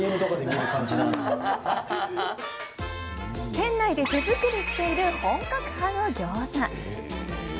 店内で手作りしている本格派のギョーザ。